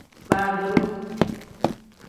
Baadiru.